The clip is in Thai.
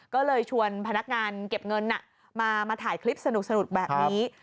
ก็เลยชวนพนักงานเก็บเงินมาถ่ายคลิปสนุกแบบนี้